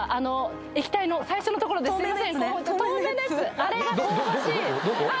いあれが香ばしいあ